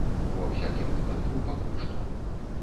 Ва ўсякім выпадку, пакуль што.